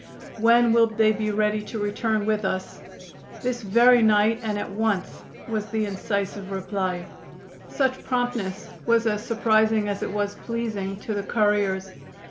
"When will they be ready to return with us?" "This very night, and at once," was the incisive reply. Such promptness was as surprising as it was pleasing to the couriers.